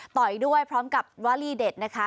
ต่อยด้วยพร้อมกับวาลีเด็ดนะคะ